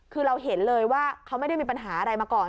คือเราเห็นเลยว่าเขาไม่ได้มีปัญหาอะไรมาก่อน